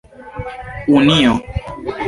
unio